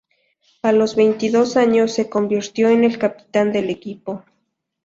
A los veintidós años se convirtió en el capitán del equipo.